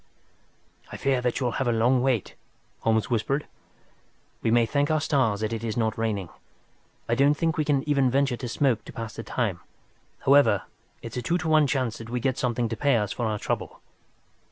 "I fear that you'll have a long wait," Holmes whispered. "We may thank our stars that it is not raining. I don't think we can even venture to smoke to pass the time. However, it's a two to one chance that we get something to pay us for our trouble."